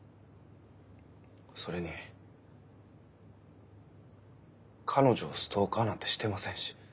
それに彼女をストーカーなんてしてませんし。